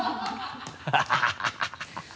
ハハハ